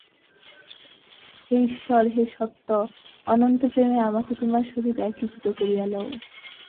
হে ঈশ্বর, হে সত্য, অনন্ত প্রেমে আমাকে তোমার সহিত একীভূত করিয়া লও।